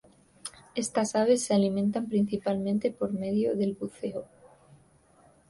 Estas aves se alimentan principalmente por medio del buceo.